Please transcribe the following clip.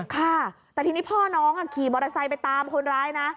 ค่ะแต่ทีนี้พ่อน้องขี่มอเตอร์ไซค์ไปตามคนร้ายนะ